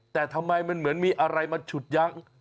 แต่ทำไมมันเหมือนมีอะไรมาฉุดยั้ง